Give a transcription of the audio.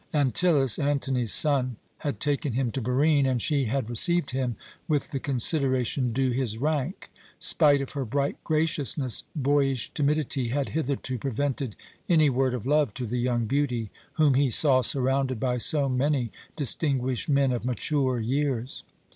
Antyllus, Antony's son, had taken him to Barine, and she had received him with the consideration due his rank. Spite of her bright graciousness, boyish timidity had hitherto prevented any word of love to the young beauty whom he saw surrounded by so many distinguished men of mature years.